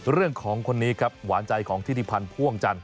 เรื่องของคนนี้ครับหวานใจของธิติพันธ์พ่วงจันท